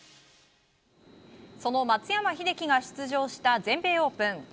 その松山英樹が出場した全米オープン。